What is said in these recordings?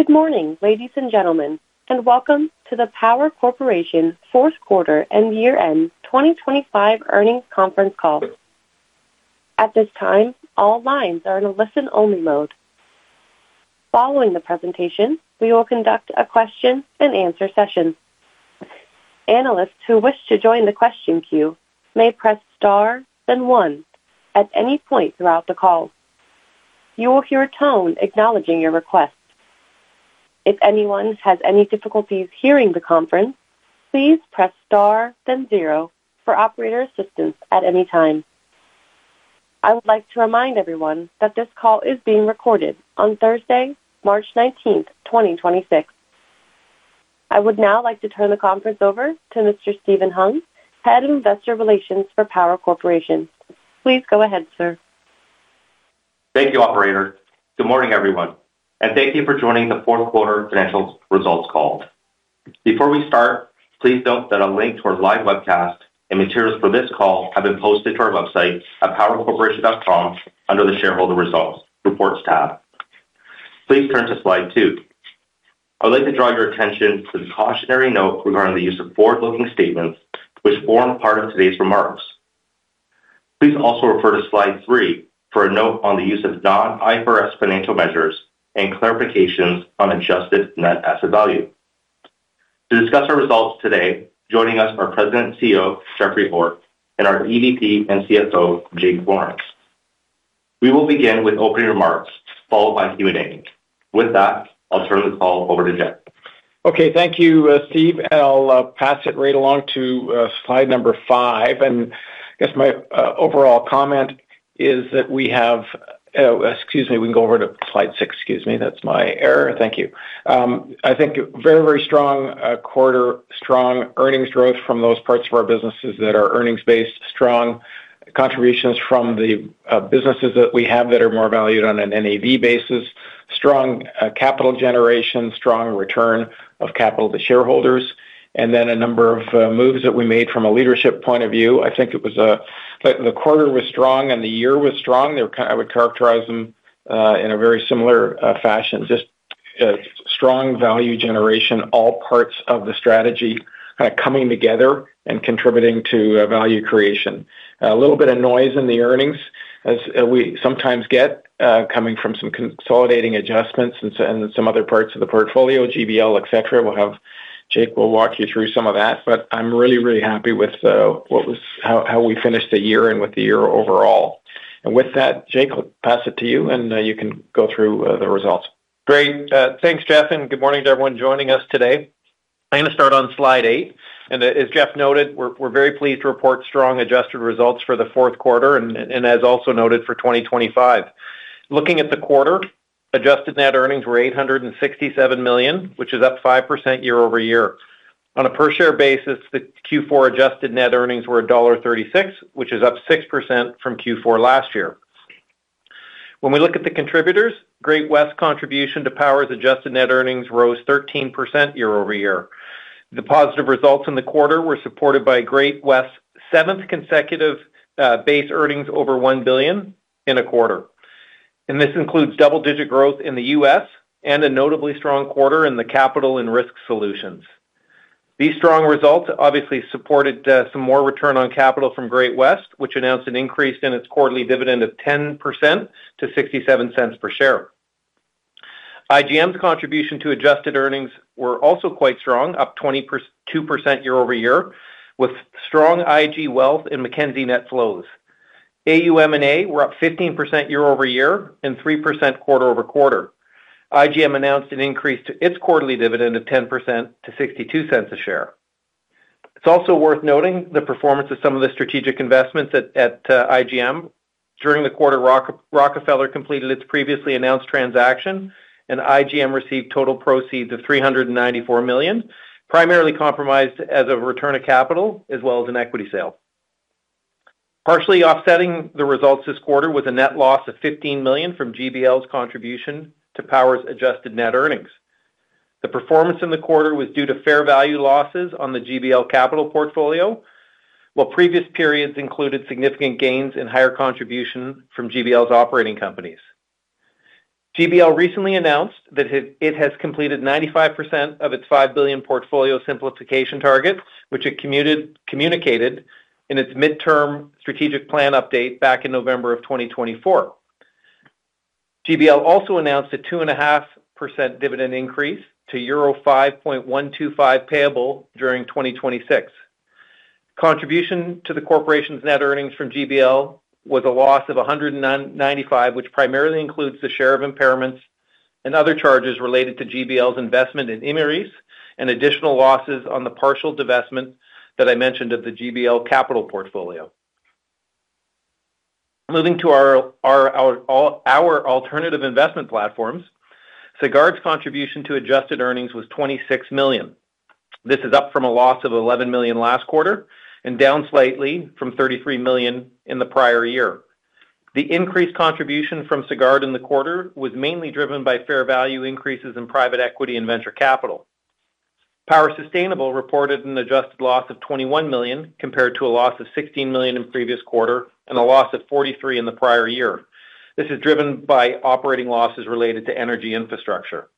Good morning, ladies and gentlemen, and welcome to the Power Corporation Q4 and year-end 2025 earnings conference call. At this time, all lines are in a listen-only mode. Following the presentation, we will conduct a question-and-answer session. Analysts who wish to join the question queue may press star then one at any point throughout the call. You will hear a tone acknowledging your request. If anyone has any difficulties hearing the conference, please press star then zero for operator assistance at any time. I would like to remind everyone that this call is being recorded on Thursday, March 19th, 2026. I would now like to turn the conference over to Mr. Steven Hung, Head of Investor Relations for Power Corporation. Please go ahead, sir. Thank you, operator. Good morning, everyone, and thank you for joining the Q4 financial results call. Before we start, please note that a link to our live webcast and materials for this call have been posted to our website at powercorporation.com under the shareholder results reports tab. Please turn to slide two. I would like to draw your attention to the cautionary note regarding the use of forward-looking statements which form part of today's remarks. Please also refer to slide three for a note on the use of non-IFRS financial measures and clarifications on adjusted net asset value. To discuss our results today, joining us are President and CEO, Jeffrey Orr, and our EVP and CFO, Jake Lawrence. We will begin with opening remarks followed by Q&A. With that, I'll turn this call over to Jeff. Okay. Thank you, Steve, and I'll pass it right along to slide five. We can go over to slide six. Excuse me. That's my error. Thank you. I think very, very strong quarter, strong earnings growth from those parts of our businesses that are earnings-based, strong contributions from the businesses that we have that are more valued on an NAV basis. Strong capital generation, strong return of capital to shareholders, and then a number of moves that we made from a leadership point of view. I think it was. The quarter was strong and the year was strong. I would characterize them in a very similar fashion, just strong value generation, all parts of the strategy coming together and contributing to value creation. A little bit of noise in the earnings as we sometimes get, coming from some consolidating adjustments and some other parts of the portfolio, GBL, et cetera. Jake will walk you through some of that, but I'm really, really happy with how we finished the year and with the year overall. With that, Jake, I'll pass it to you, and you can go through the results. Great. Thanks, Jeff, and good morning to everyone joining us today. I'm gonna start on slide eight. As Jeff noted, we're very pleased to report strong adjusted results for the Q4 and as also noted for 2025. Looking at the quarter, adjusted net earnings were $867 million, which is up 5% year-over-year. On a per share basis, the Q4 adjusted net earnings were $1.36, which is up 6% from Q4 last year. When we look at the contributors, Great-West's contribution to Power's adjusted net earnings rose 13% year-over-year. The positive results in the quarter were supported by Great-West's seventh consecutive base earnings over $1 billion in a quarter. This includes double-digit growth in the U.S. and a notably strong quarter in the Capital and Risk Solutions. These strong results obviously supported some more return on capital from Great-West Lifeco, which announced an increase in its quarterly dividend of 10% to 0.67 per share. IGM's contribution to adjusted earnings were also quite strong, up 22% year-over-year with strong IG Wealth Management and Mackenzie Investments net flows. AUM and AUA were up 15% year-over-year and 3% quarter-over-quarter. IGM announced an increase to its quarterly dividend of 10% to 0.62 a share. It's also worth noting the performance of some of the strategic investments at IGM. During the quarter, Rockefeller Capital Management completed its previously announced transaction, and IGM received total proceeds of 394 million, primarily comprised as a return of capital as well as an equity sale. Partially offsetting the results this quarter was a net loss of 15 million from GBL's contribution to Power's adjusted net earnings. The performance in the quarter was due to fair value losses on the GBL Capital portfolio, while previous periods included significant gains and higher contribution from GBL's operating companies. GBL recently announced that it has completed 95% of its 5 billion portfolio simplification target, which it communicated in its midterm strategic plan update back in November 2024. GBL also announced a 2.5% dividend increase to euro 5.125 payable during 2026. Contribution to the corporation's net earnings from GBL was a loss of 109.95, which primarily includes the share of impairments and other charges related to GBL's investment in Imerys and additional losses on the partial divestment that I mentioned of the GBL Capital portfolio. Moving to our alternative investment platforms, Sagard's contribution to adjusted earnings was 26 million. This is up from a loss of 11 million last quarter and down slightly from 33 million in the prior year. The increased contribution from Sagard in the quarter was mainly driven by fair value increases in private equity and venture capital. Power Sustainable reported an adjusted loss of 21 million compared to a loss of 16 million in previous quarter and a loss of 43 in the prior year. This is driven by operating losses related to energy infrastructure.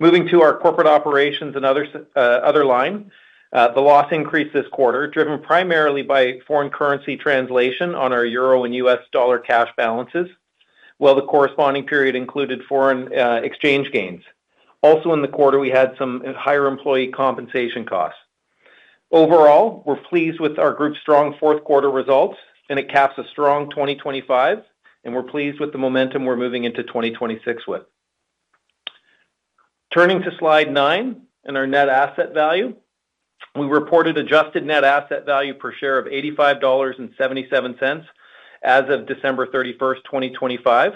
Moving to our corporate operations and other line. The loss increased this quarter, driven primarily by foreign currency translation on our euro and US dollar cash balances, while the corresponding period included foreign exchange gains. Also in the quarter, we had some higher employee compensation costs. Overall, we're pleased with our group's strong Q4 results, and it caps a strong 2025, and we're pleased with the momentum we're moving into 2026 with. Turning to slide nine and our net asset value. We reported adjusted net asset value per share of 85.77 dollars as of December 31, 2025.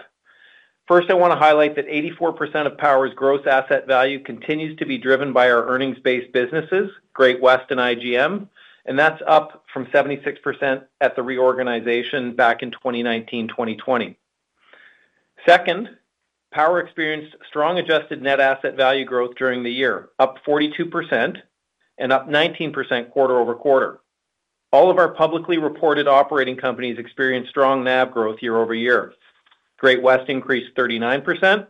First, I wanna highlight that 84% of Power's gross asset value continues to be driven by our earnings-based businesses, Great-West and IGM, and that's up from 76% at the reorganization back in 2019, 2020. Second, Power experienced strong adjusted net asset value growth during the year, up 42% and up 19% quarter-over-quarter. All of our publicly reported operating companies experienced strong NAV growth year-over-year. Great-West increased 39%,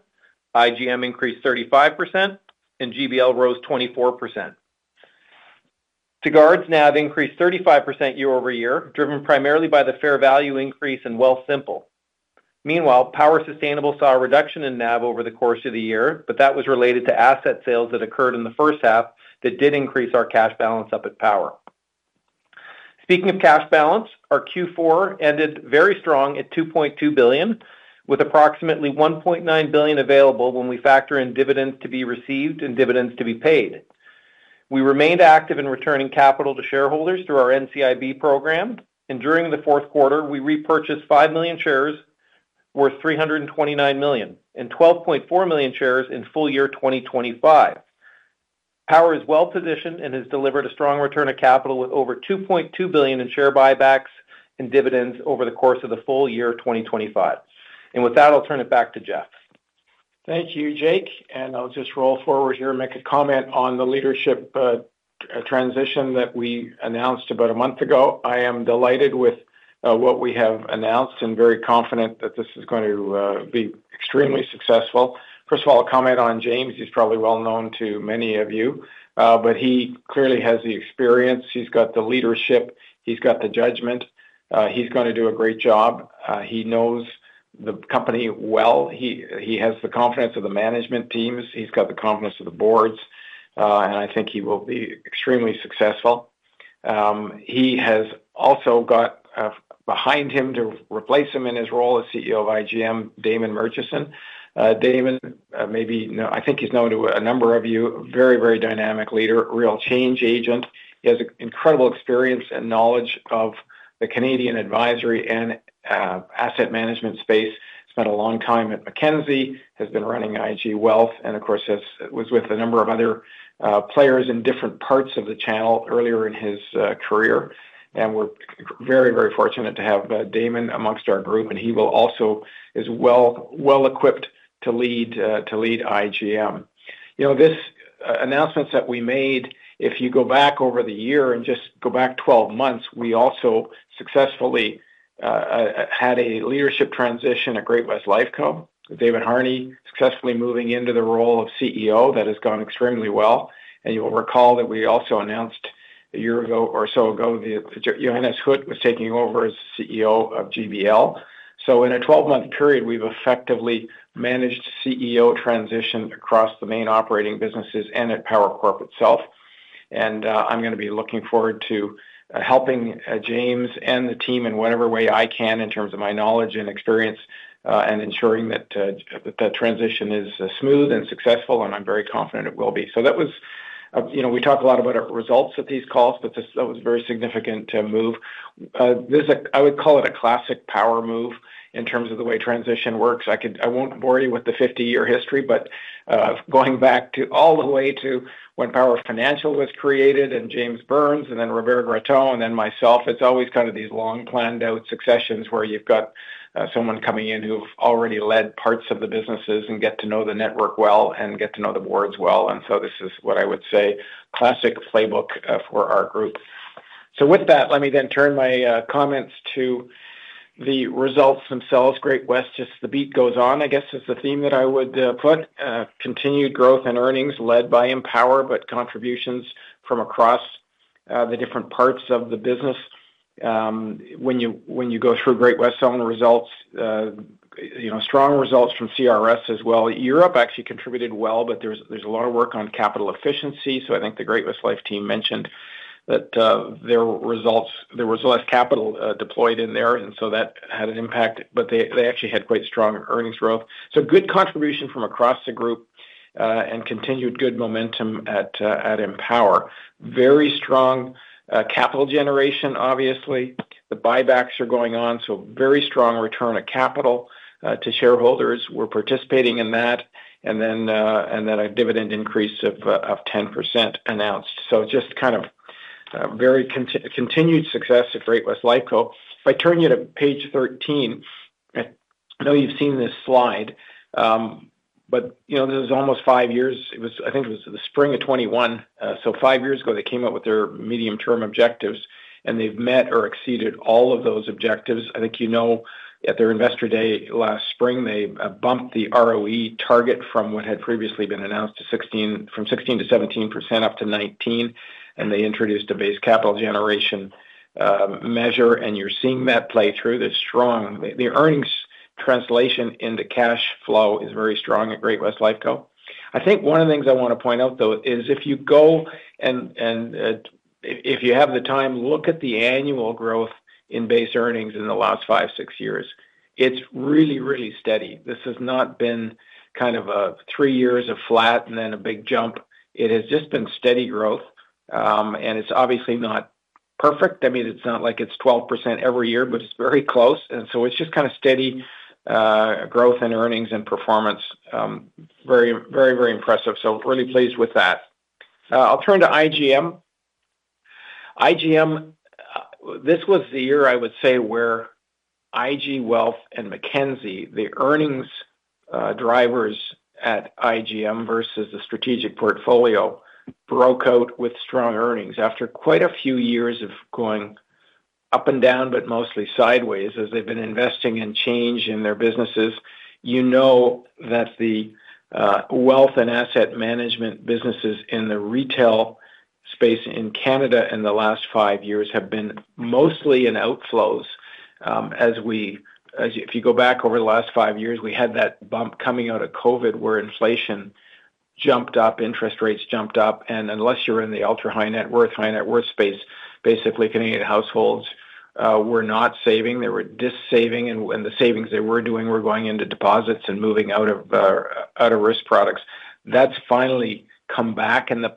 IGM increased 35%, and GBL rose 24%. Sagard's NAV increased 35% year-over-year, driven primarily by the fair value increase in Wealthsimple. Meanwhile, Power Sustainable saw a reduction in NAV over the course of the year, but that was related to asset sales that occurred in the first half that did increase our cash balance up at Power. Speaking of cash balance, our Q4 ended very strong at 2.2 billion, with approximately 1.9 billion available when we factor in dividends to be received and dividends to be paid. We remained active in returning capital to shareholders through our NCIB program, and during the Q4, we repurchased 5 million shares worth 329 million and 12.4 million shares in full year 2025. Power is well positioned and has delivered a strong return of capital with over 2.2 billion in share buybacks and dividends over the course of the full year 2025. With that, I'll turn it back to Jeff. Thank you, Jake. I'll just roll forward here and make a comment on the leadership transition that we announced about a month ago. I am delighted with what we have announced and very confident that this is going to be extremely successful. First of all, a comment on James. He's probably well known to many of you, but he clearly has the experience. He's got the leadership, he's got the judgment. He's gonna do a great job. He knows the company well. He has the confidence of the management teams. He's got the confidence of the boards. And I think he will be extremely successful. He has also got behind him to replace him in his role as CEO of IGM, Damon Murchison. Damon, I think he's known to a number of you, very dynamic leader, real change agent. He has incredible experience and knowledge of the Canadian advisory and asset management space. Spent a long time at Mackenzie, has been running IG Wealth, and of course, was with a number of other players in different parts of the channel earlier in his career. We're very fortunate to have Damon amongst our group, and he also is well equipped to lead IGM. You know, these announcements that we made, if you go back over the year and just go back 12 months, we also successfully had a leadership transition at Great-West Lifeco. David Harney successfully moving into the role of CEO. That has gone extremely well. You'll recall that we also announced a year ago or so ago that Johannes Huth was taking over as CEO of GBL. In a 12-month period, we've effectively managed CEO transition across the main operating businesses and at Power Corp itself. I'm gonna be looking forward to helping James and the team in whatever way I can in terms of my knowledge and experience, and ensuring that that transition is smooth and successful, and I'm very confident it will be. That was, you know, we talk a lot about our results at these calls, but that was a very significant move. I would call it a classic power move in terms of the way transition works. I won't bore you with the 50-year history, but going back all the way to when Power Financial was created and James Burns and then Robert Gratton and then myself, it's always kind of these long planned out successions where you've got someone coming in who've already led parts of the businesses and get to know the network well and get to know the boards well. This is what I would say, classic playbook for our group. With that, let me then turn my comments to the results themselves. Great-West Lifeco, just the beat goes on, I guess, is the theme that I would put. Continued growth in earnings led by Empower, but contributions from across the different parts of the business. When you go through Great-West Lifeco on the results, you know, strong results from CRS as well. Europe actually contributed well, but there's a lot of work on capital efficiency. I think the Great-West Lifeco team mentioned that their results, there was less capital deployed in there, and so that had an impact. They actually had quite strong earnings growth. Good contribution from across the group, and continued good momentum at Empower. Very strong capital generation, obviously. The buybacks are going on, so very strong return of capital to shareholders. We're participating in that. A dividend increase of 10% announced. Continued success at Great-West Lifeco. If I turn you to page 13, I know you've seen this slide, but you know, this is almost five years. I think it was the spring of 2021. So five years ago, they came out with their medium-term objectives, and they've met or exceeded all of those objectives. I think you know at their Investor Day last spring, they bumped the ROE target from what had previously been announced from 16%-17% up to 19%, and they introduced a base capital generation measure. You're seeing that play through. They're strong. The earnings translation into cash flow is very strong at Great-West Lifeco. I think one of the things I wanna point out, though, is if you go and if you have the time, look at the annual growth in base earnings in the last five, six years. It's really steady. This has not been kind of a three years of flat and then a big jump. It has just been steady growth, and it's obviously not perfect. I mean, it's not like it's 12% every year, but it's very close. It's just kind of steady growth in earnings and performance. Very impressive, so really pleased with that. I'll turn to IGM. IGM, this was the year I would say where IG Wealth and Mackenzie, the earnings drivers at IGM versus the strategic portfolio, broke out with strong earnings after quite a few years of going up and down, but mostly sideways as they've been investing in change in their businesses. You know that the wealth and asset management businesses in the retail space in Canada in the last five years have been mostly in outflows. If you go back over the last five years, we had that bump coming out of COVID where inflation jumped up, interest rates jumped up, and unless you're in the ultra-high net worth, high net worth space, basically Canadian households were not saving. They were dissaving, and the savings they were doing were going into deposits and moving out of risk products. That's finally come back in the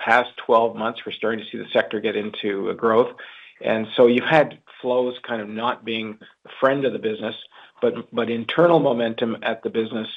past 12 months. We're starting to see the sector get into growth. You had flows kind of not being a friend of the business, but internal momentum at the business,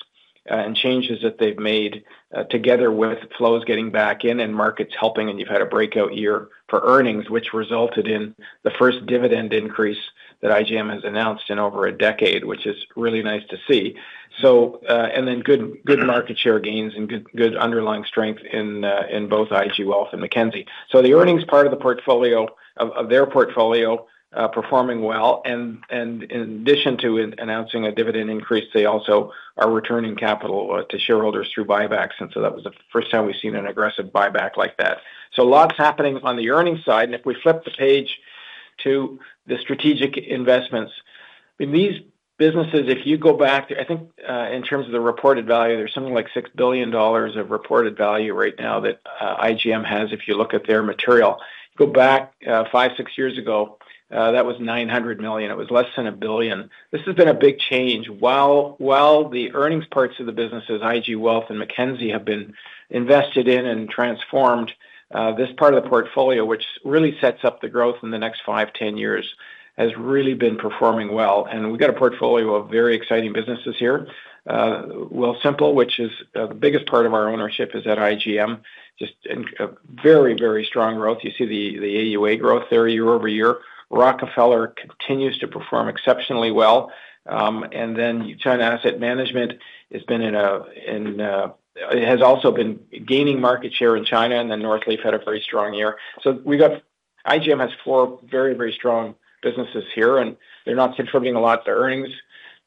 and changes that they've made, together with flows getting back in and markets helping, and you've had a breakout year for earnings, which resulted in the first dividend increase that IGM has announced in over a decade, which is really nice to see. Good market share gains and good underlying strength in both IG Wealth and Mackenzie. The earnings part of the portfolio of their portfolio performing well. In addition to announcing a dividend increase, they also are returning capital to shareholders through buybacks. That was the first time we've seen an aggressive buyback like that. Lots happening on the earnings side. If we flip the page to the strategic investments. In these businesses, if you go back, I think, in terms of the reported value, there's something like 6 billion dollars of reported value right now that, IGM has if you look at their material. Go back, five, six years ago, that was 900 million. It was less than 1 billion. This has been a big change. While the earnings parts of the businesses, IG Wealth and Mackenzie, have been invested in and transformed, this part of the portfolio, which really sets up the growth in the next five, 10 years, has really been performing well. We've got a portfolio of very exciting businesses here. Wealthsimple, which is the biggest part of our ownership, is at IGM. A very, very strong growth. You see the AUA growth there year-over-year. Rockefeller continues to perform exceptionally well. China Asset Management has also been gaining market share in China, and then Northleaf had a very strong year. IGM has four very, very strong businesses here, and they're not contributing a lot to earnings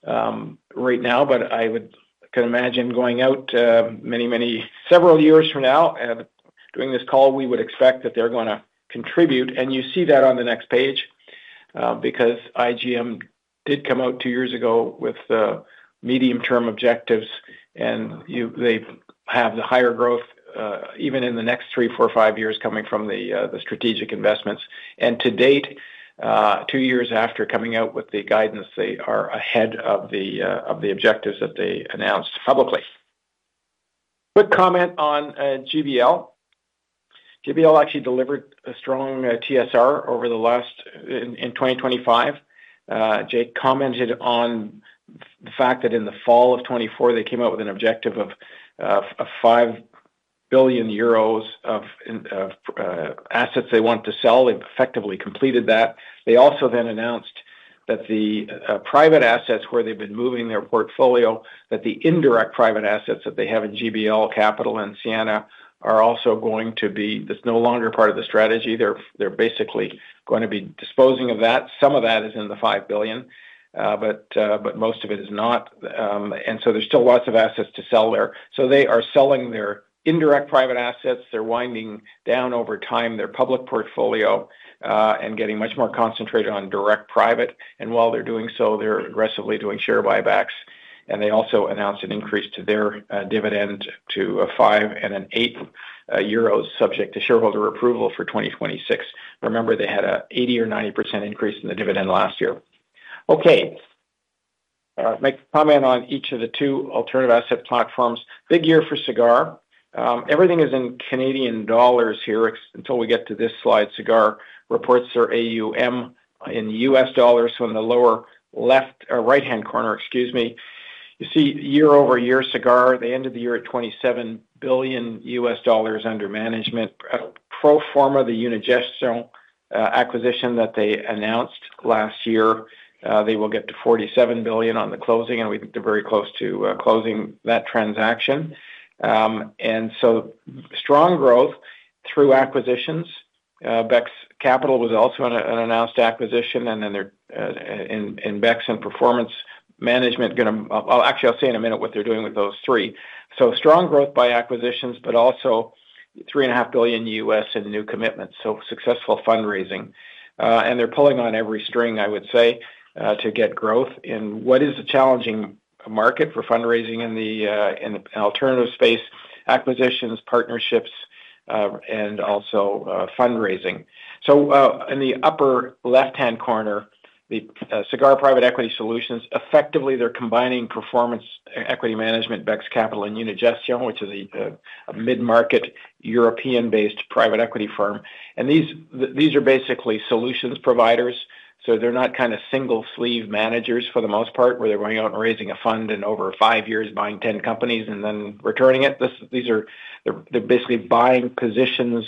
right now, but I could imagine going out several years from now and doing this call, we would expect that they're gonna contribute. You see that on the next page, because IGM did come out two years ago with medium-term objectives, and they have the higher growth even in the next three, four, five years coming from the strategic investments. To date, two years after coming out with the guidance, they are ahead of the objectives that they announced publicly. Quick comment on GBL. GBL actually delivered a strong TSR in 2025. Jake commented on the fact that in the fall of 2024, they came out with an objective of 5 billion euros of assets they want to sell. They've effectively completed that. They also then announced that the private assets where they've been moving their portfolio, that the indirect private assets that they have in GBL Capital and Sienna Capital, that's no longer part of the strategy. They're basically going to be disposing of that. Some of that is in the 5 billion, but most of it is not. There's still lots of assets to sell there. They are selling their indirect private assets. They're winding down over time their public portfolio, and getting much more concentrated on direct private. While they're doing so, they're aggressively doing share buybacks. They also announced an increase to their dividend to 5.125 euros subject to shareholder approval for 2026. Remember, they had an 80% or 90% increase in the dividend last year. Okay. Make a comment on each of the two alternative asset platforms. Big year for Sagard. Everything is in Canadian dollars here until we get to this slide. Sagard reports their AUM in US dollars from the lower left, or right-hand corner, excuse me. You see year-over-year Sagard, they ended the year at $27 billion under management. Pro forma, the Unigestion acquisition that they announced last year, they will get to $47 billion on the closing, and we think they're very close to closing that transaction. Strong growth through acquisitions. Bex Capital was also an announced acquisition, and then they're in Bex Capital and Performance Equity Management. I'll actually say in a minute what they're doing with those three. Strong growth by acquisitions, but also $3.5 billion in new commitments, so successful fundraising. They're pulling on every string, I would say, to get growth in what is a challenging market for fundraising in the alternative space, acquisitions, partnerships, and also fundraising. In the upper left-hand corner, the Sagard Private Equity Solutions, effectively, they're combining Performance Equity Management, BEX Capital, and Unigestion, which is a mid-market European-based private equity firm. These are basically solutions providers, so they're not kinda single sleeve managers for the most part, where they're going out and raising a fund and over five years buying 10 companies and then returning it. These are they're basically buying positions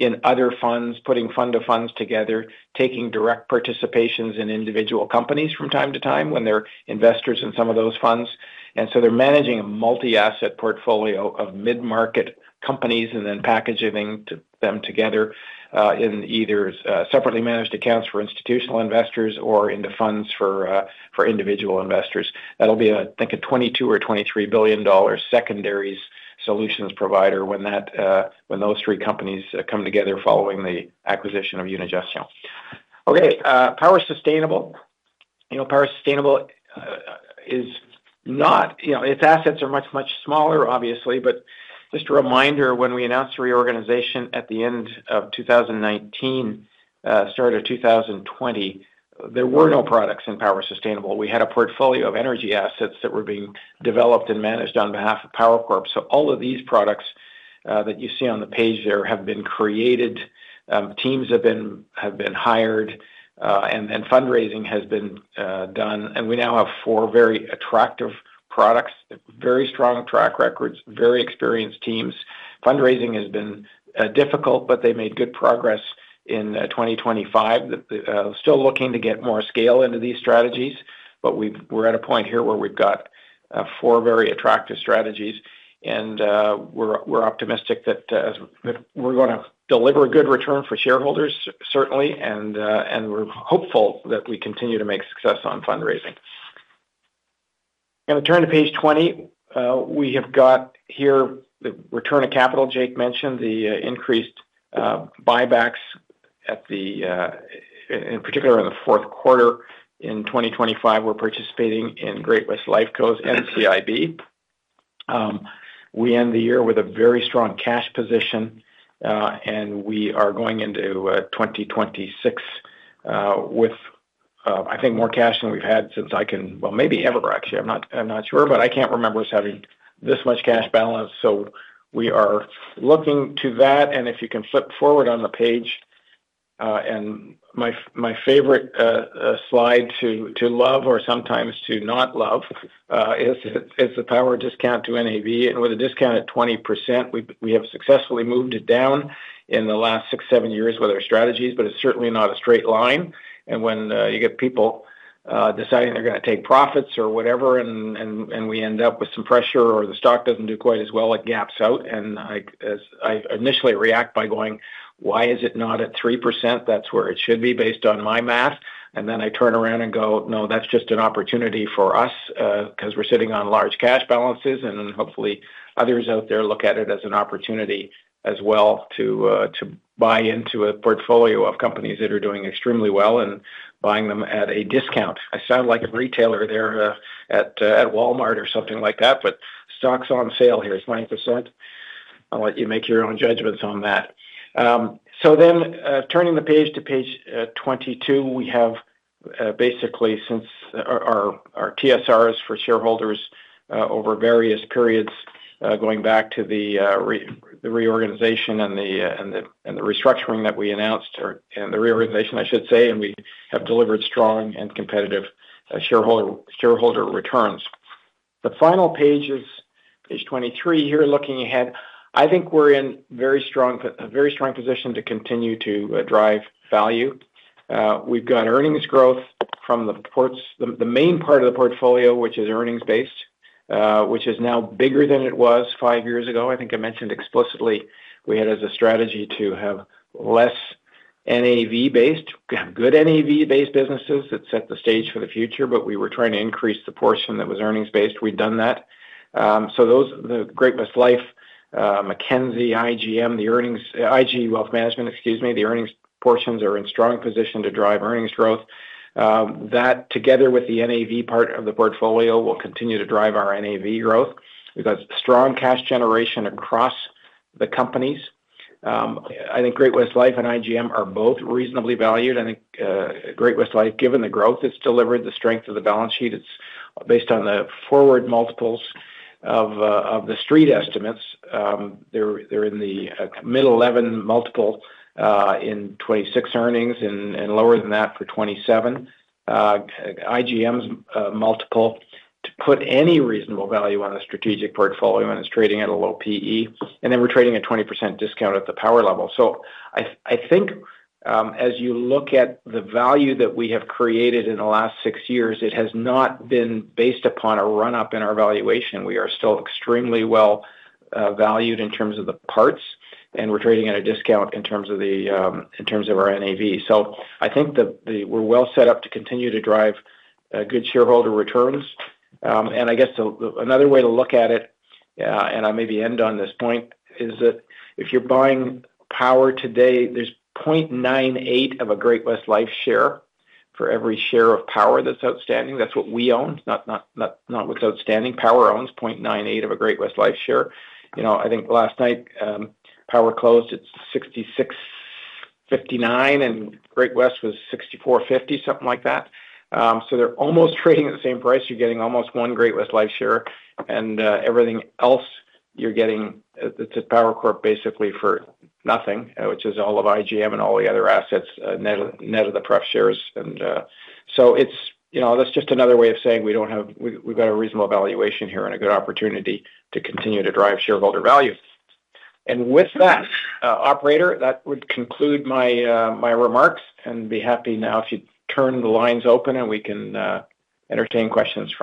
in other funds, putting fund-of-funds together, taking direct participations in individual companies from time to time when they're investors in some of those funds. They're managing a multi-asset portfolio of mid-market companies and then packaging them together in either separately managed accounts for institutional investors or in the funds for individual investors. That'll be, I think, a 22 billion or 23 billion dollars secondaries solutions provider when those three companies come together following the acquisition of Unigestion. Okay, Power Sustainable. You know, Power Sustainable is not. You know, its assets are much, much smaller, obviously. Just a reminder, when we announced reorganization at the end of 2019, start of 2020, there were no products in Power Sustainable. We had a portfolio of energy assets that were being developed and managed on behalf of PowerCorp. All of these products that you see on the page there have been created, teams have been hired, and fundraising has been done. We now have four very attractive products, very strong track records, very experienced teams. Fundraising has been difficult, but they made good progress in 2025. They're still looking to get more scale into these strategies, but we're at a point here where we've got four very attractive strategies and we're optimistic that we're gonna deliver a good return for shareholders certainly, and we're hopeful that we continue to make success on fundraising. Gonna turn to page 20. We have got here the return of capital Jake mentioned, the increased buybacks in particular in the Q4. In 2025, we're participating in Great-West Lifeco's NCIB. We end the year with a very strong cash position, and we are going into 2026 with I think more cash than we've had since I can remember. Well, maybe ever, actually. I'm not sure, but I can't remember us having this much cash balance. We are looking to that, and if you can flip forward on the page, and my favorite slide to love or sometimes to not love is the Power discount to NAV. With a discount at 20%, we have successfully moved it down in the last six, seven years with our strategies, but it's certainly not a straight line. When you get people deciding they're gonna take profits or whatever and we end up with some pressure or the stock doesn't do quite as well, it gaps out. As I initially react by going, "Why is it not at 3%? That's where it should be based on my math." Then I turn around and go, "No, that's just an opportunity for us, 'cause we're sitting on large cash balances," and then hopefully others out there look at it as an opportunity as well to buy into a portfolio of companies that are doing extremely well and buying them at a discount. I sound like a retailer there, at Walmart or something like that, but stock's on sale here. It's 9%. I'll let you make your own judgments on that. Turning the page to page 22, we have basically since our TSRs for shareholders over various periods going back to the reorganization and the restructuring that we announced. The reorganization, I should say, and we have delivered strong and competitive shareholder returns. The final page is page 23. Here looking ahead, I think we're in a very strong position to continue to drive value. We've got earnings growth from the main part of the portfolio, which is earnings-based, which is now bigger than it was five years ago. I think I mentioned explicitly we had as a strategy to have less NAV-based, good NAV-based businesses that set the stage for the future, but we were trying to increase the portion that was earnings-based. We've done that. Those, the Great-West Lifeco, Mackenzie Investments, IGM, IG Wealth Management, excuse me, the earnings portions are in strong position to drive earnings growth. That together with the NAV part of the portfolio will continue to drive our NAV growth. We've got strong cash generation across the companies. I think Great-West Lifeco and IGM are both reasonably valued. I think, Great-West Lifeco, given the growth it's delivered, the strength of the balance sheet, it's based on the forward multiples of the street estimates, they're in the mid-eleven multiple, in 2026 earnings and lower than that for 2027. IGM's multiple to put any reasonable value on a strategic portfolio and is trading at a low PE. We're trading at 20% discount at the Power level. I think, as you look at the value that we have created in the last six years, it has not been based upon a run-up in our valuation. We are still extremely well valued in terms of the parts, and we're trading at a discount in terms of our NAV. I think that we're well set up to continue to drive good shareholder returns. I guess another way to look at it, and I maybe end on this point, is that if you're buying Power today, there's 0.98 of a Great-West Lifeco share for every share of Power that's outstanding. That's what we own, not what's outstanding. Power owns 0.98 of a Great-West Lifeco share. You know, I think last night, Power closed at 66.59, and Great-West Lifeco was 64.50, something like that. So they're almost trading at the same price. You're getting almost one Great-West Lifeco share and everything else you're getting, that's at Power Corp basically for nothing, which is all of IGM and all the other assets, net of the pref shares. It's you know that's just another way of saying we've got a reasonable valuation here and a good opportunity to continue to drive shareholder value. With that, operator, that would conclude my remarks and I'd be happy now if you open the lines and we can entertain questions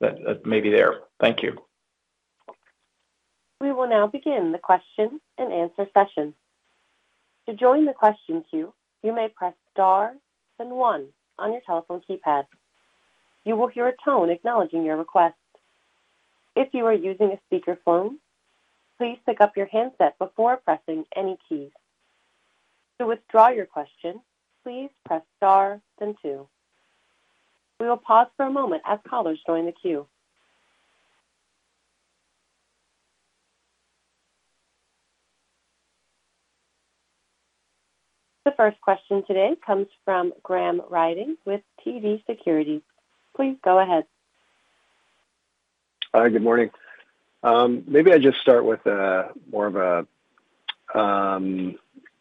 that may be there. Thank you. We will now begin the question-and-answer session. To join the question queue, you may press star then one on your telephone keypad. You will hear a tone acknowledging your request. If you are using a speakerphone, please pick up your handset before pressing any keys. To withdraw your question, please press star then two. We will pause for a moment as callers join the queue. The first question today comes from Graham Ryding with TD Securities. Please go ahead. Hi, good morning. Maybe I just start with more of a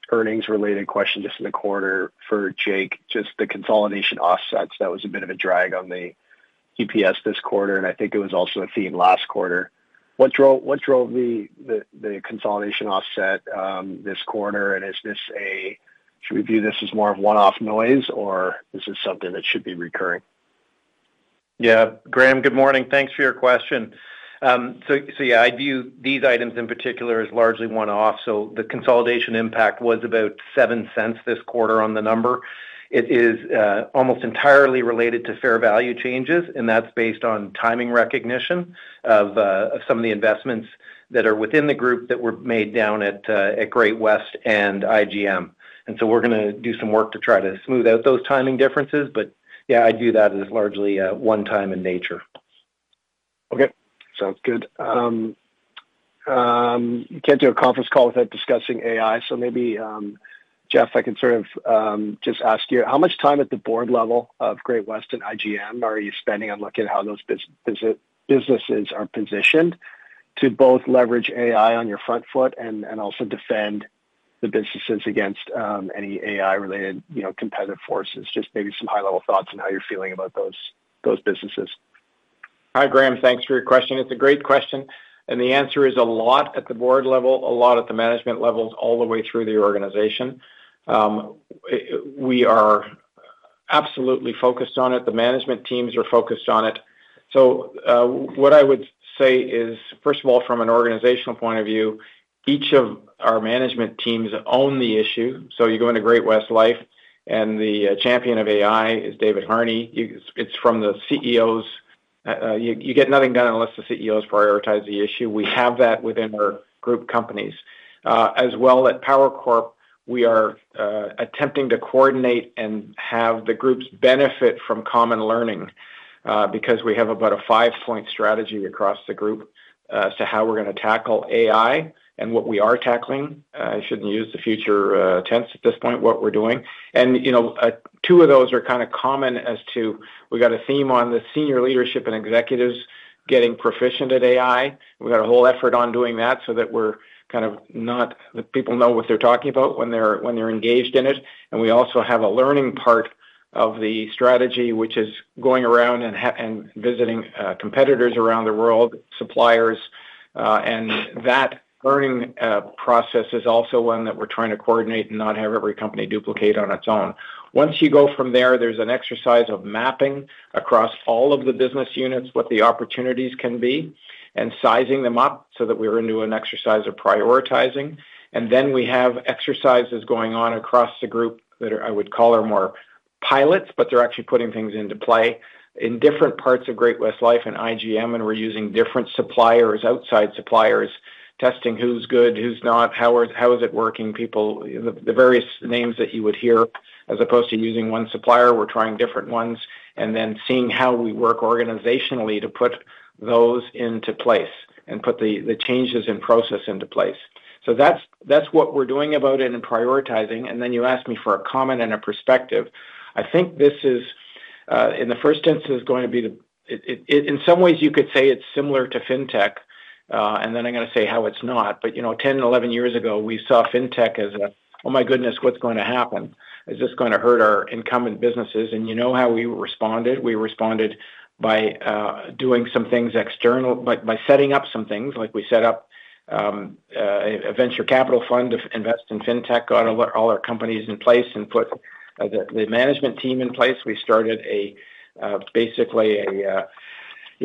earnings-related question just in the quarter for Jake Lawrence, just the consolidation offsets. That was a bit of a drag on the EPS this quarter, and I think it was also a theme last quarter. What drove the consolidation offset this quarter? Should we view this as more of one-off noise, or is this something that should be recurring? Yeah. Graham, good morning. Thanks for your question. Yeah, I view these items in particular as largely one-off. The consolidation impact was about 0.07 this quarter on the number. It is almost entirely related to fair value changes, and that's based on timing recognition of some of the investments that are within the group that were made down at Great-West and IGM. We're gonna do some work to try to smooth out those timing differences, but yeah, I view that as largely one time in nature. Okay. Sounds good. Can't do a conference call without discussing AI. Maybe, Jeff, I can sort of just ask you, how much time at the board level of Great-West and IGM are you spending on looking at how those businesses are positioned to both leverage AI on your front foot and also defend the businesses against any AI-related, you know, competitive forces? Just maybe some high-level thoughts on how you're feeling about those businesses. Hi, Graham. Thanks for your question. It's a great question, and the answer is a lot at the board level, a lot at the management levels, all the way through the organization. We are absolutely focused on it. The management teams are focused on it. What I would say is, first of all, from an organizational point of view, each of our management teams own the issue. You go into Great-West Lifeco and the champion of AI is David Harney. It's from the CEOs. You get nothing done unless the CEOs prioritize the issue. We have that within our group companies. As well at Power Corp, we are attempting to coordinate and have the groups benefit from common learning, because we have about a 5-point strategy across the group, as to how we're gonna tackle AI and what we are tackling. I shouldn't use the future tense at this point, what we're doing. You know, two of those are kinda common as to we got a theme on the senior leadership and executives getting proficient at AI. We got a whole effort on doing that so that people know what they're talking about when they're engaged in it. We also have a learning part of the strategy, which is going around and visiting competitors around the world, suppliers, and that learning process is also one that we're trying to coordinate and not have every company duplicate on its own. Once you go from there's an exercise of mapping across all of the business units, what the opportunities can be, and sizing them up so that we run an exercise of prioritizing. We have exercises going on across the group that, I would call, are more pilots, but they're actually putting things into play in different parts of Great-West Lifeco and IGM, and we're using different suppliers, outside suppliers, testing who's good, who's not, how is it working, people, the various names that you would hear as opposed to using one supplier. We're trying different ones and then seeing how we work organizationally to put those into place and put the changes in process into place. That's what we're doing about it and prioritizing. You ask me for a comment and a perspective. I think this is, in the first instance, is going to be in some ways you could say it's similar to Fintech, and then I'm going to say how it's not. You know, 10 or 11 years ago we saw Fintech as a, "Oh my goodness, what's going to happen? Is this going to hurt our incumbent businesses?" You know how we responded. We responded by doing some things external by setting up some things like we set up a venture capital fund to invest in Fintech, got all our companies in place, and put the management team in place. We started basically you know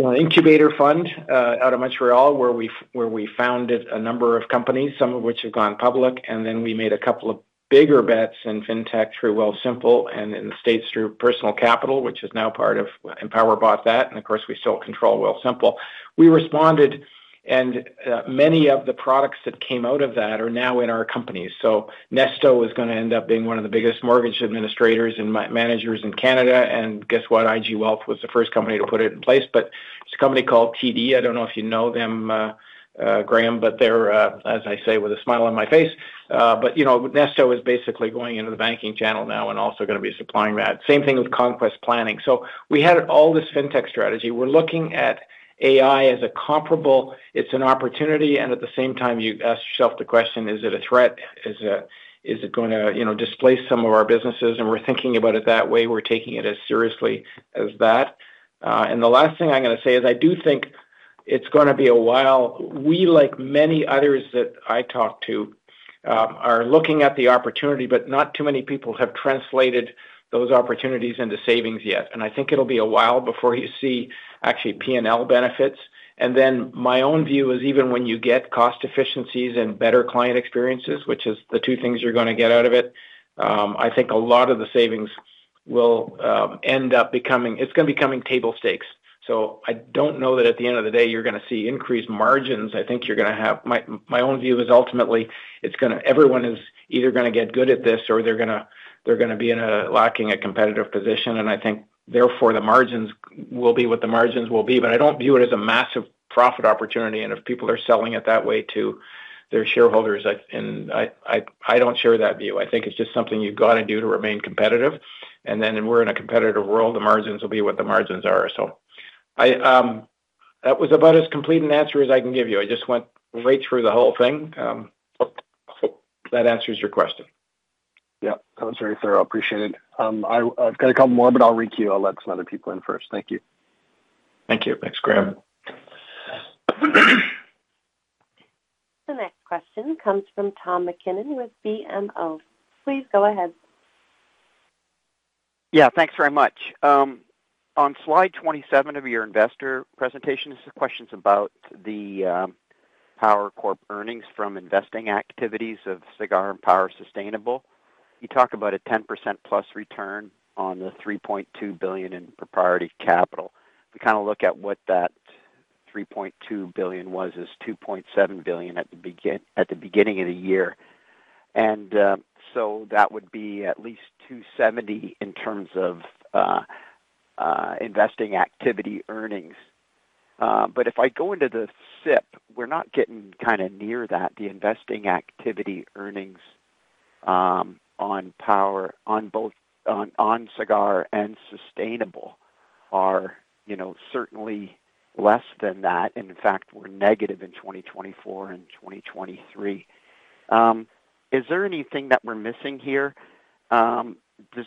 an incubator fund out of Montreal, where we founded a number of companies, some of which have gone public. Then we made a couple of bigger bets in Fintech through Wealthsimple and in the States through Personal Capital, which is now part of Empower bought that. Of course, we still control Wealthsimple. We responded, and many of the products that came out of that are now in our companies. Nesto is going to end up being one of the biggest mortgage administrators and managers in Canada. Guess what? IG Wealth was the first company to put it in place. There's a company called TD. I don't know if you know them, Graham, but they're, as I say, with a smile on my face. You know, Nesto is basically going into the banking channel now and also going to be supplying that. Same thing with Conquest Planning. We had all this Fintech strategy. We're looking at AI as a comparable. It's an opportunity, and at the same time you ask yourself the question, is it a threat? Is it going to, you know, displace some of our businesses? We're thinking about it that way. We're taking it as seriously as that. The last thing I'm going to say is I do think it's going to be a while. We, like many others that I talk to, are looking at the opportunity, but not too many people have translated those opportunities into savings yet. I think it'll be a while before you see actually P&L benefits. My own view is even when you get cost efficiencies and better client experiences, which is the two things you're going to get out of it, I think a lot of the savings will end up becoming table stakes. I don't know that at the end of the day you're going to see increased margins. I think you're going to have. My own view is ultimately it's gonna. Everyone is either gonna get good at this or they're gonna be lacking a competitive position. I think therefore the margins will be what the margins will be. I don't view it as a massive profit opportunity. If people are selling it that way to their shareholders, I don't share that view. I think it's just something you've got to do to remain competitive. We're in a competitive world. The margins will be what the margins are. That was about as complete an answer as I can give you. I just went right through the whole thing. Hope that answers your question. Yeah. That was very thorough. Appreciate it. I've got a couple more, but I'll re-queue. I'll let some other people in first. Thank you. Thank you. Thanks, Graham. The next question comes from Tom MacKinnon with BMO. Please go ahead. Yeah, thanks very much. On slide 27 of your investor presentation, this question's about the Power Corp earnings from investing activities of Sagard and Power Sustainable. You talk about a 10%+ return on the 3.2 billion in proprietary capital. If we kind of look at what that 3.2 billion was, is 2.7 billion at the beginning of the year. So that would be at least 270 million in terms of investing activity earnings. But if I go into the SIP, we're not getting kind of near that. The investing activity earnings on both Sagard and Power Sustainable are, you know, certainly less than that. In fact, we're negative in 2024 and 2023. Is there anything that we're missing here? Is